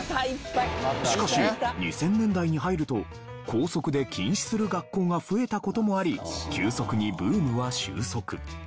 しかし２０００年代に入ると校則で禁止する学校が増えた事もあり急速にブームは終息。